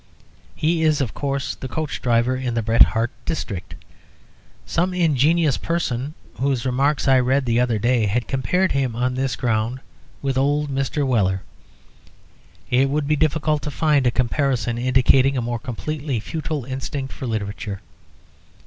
He is, of course, the coach driver in the Bret Harte district. Some ingenious person, whose remarks I read the other day, had compared him on this ground with old Mr. Weller. It would be difficult to find a comparison indicating a more completely futile instinct for literature.